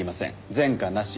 前科なし。